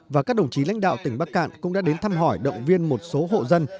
và các đồng chí lãnh đạo tỉnh bắc cạn cũng đã đến thăm hỏi động viên một số hộ dân